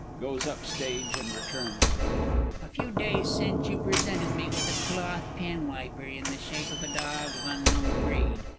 (Goes up stage, and returns.) A few days since you presented me with a cloth pen wiper, in the shape of a dog of unknown breed.